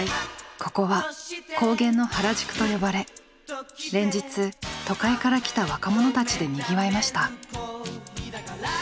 ここは「高原の原宿」と呼ばれ連日都会から来た若者たちでにぎわいました。